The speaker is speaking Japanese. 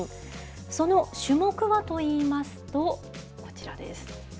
その種目はといいますと、こちらです。